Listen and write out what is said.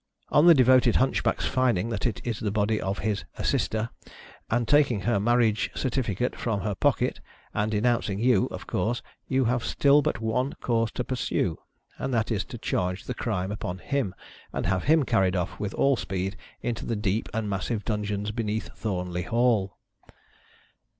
On the devoted Hunchback's finding that it is the body of his "assister," and taking her marriage cer tificate from her pocket and denouncing you, of course you have still but one course to pursue, and that is to THE AMUSEMEKTS OF THE PEOPLE. 175 charge the crime upon him, and have him carried off with all speed into the "deep and massive dungeons beneath Thornley Hall."